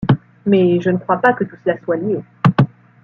Mais je ne crois pas que tout cela soit lié.